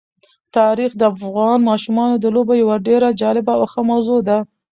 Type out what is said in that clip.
تاریخ د افغان ماشومانو د لوبو یوه ډېره جالبه او ښه موضوع ده.